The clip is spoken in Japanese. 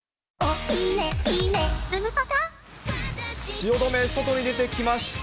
汐留、外に出てきました。